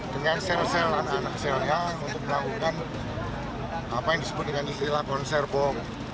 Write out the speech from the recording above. dengan sel sel anak anak selnya untuk melakukan apa yang disebut dengan istilah konser bom